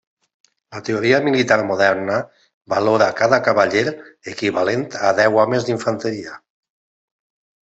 La teoria militar moderna valora cada cavaller equivalent a deu homes d'infanteria.